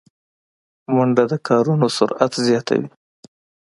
منډه د کارونو سرعت زیاتوي